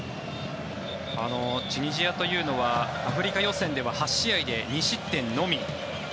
チュニジアというのはアフリカ予選では８試合で２失点のみ。